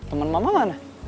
temen mama mana